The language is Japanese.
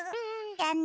じゃあね。